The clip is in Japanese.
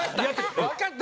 わかった。